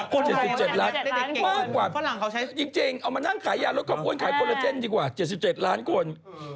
โคลเจ็ดสิบเจ็ดล้านกว่าจริงเอามานั่งขายยาลงกล้อมอ้วนขายโคลเจ็นดีกว่าโคลเจ็ดสิบเจ็ดล้านคน